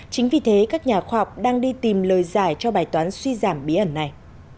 chính vì thế các nhà khoa học đang đi tìm lời giải cho bài toán suy giảm bí ẩn này